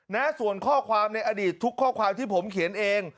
นะส่วนข้อความในอดีตทุกข้อความที่ผมเขียนเอง